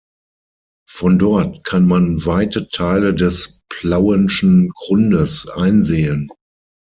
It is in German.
Von dort kann man weite Teile des Plauenschen Grundes einsehen.